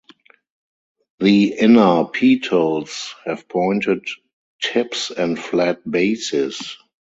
The inner petals have pointed tips and flat bases.